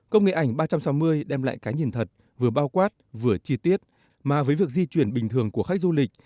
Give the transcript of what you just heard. công nghệ ảnh ba trăm sáu mươi đem lại cái nhìn thật vừa bao quát vừa chi tiết mà với việc di chuyển bình thường của khách du lịch